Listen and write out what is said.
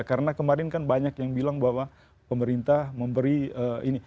karena kemarin kan banyak yang bilang bahwa pemerintah memberi ini